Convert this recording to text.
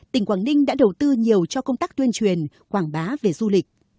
tỉnh quảng ninh đã đầu tư nhiều cho công tác tuyên truyền quảng bá về du lịch